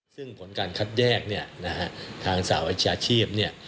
ซึ่งผลการคัดแยกเนี่ยนะฮะทางสหวิชาชีพเนี่ย